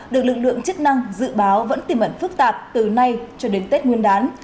được lực lượng chức năng dự báo vẫn tiềm ẩn phức tạp từ nay cho đến tết nguyên đán